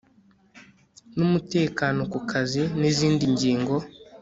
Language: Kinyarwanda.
n umutekano ku kazi n izindi ngingo